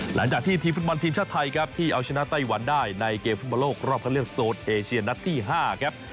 หลังจากที่ทีมฟุตบอลทีมชาติไทยครับที่เอาชนะไต้หวันได้ในเกมฟุตบอลโลกรอบคันเลือกโซนเอเชียนัดที่๕ครับ